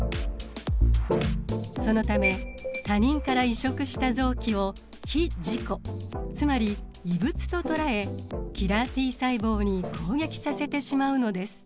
そのため他人から移植した臓器を非自己つまり異物ととらえキラーＴ細胞に攻撃させてしまうのです。